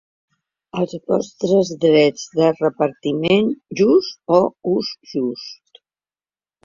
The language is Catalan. Els vostres drets de repartiment just o ús just.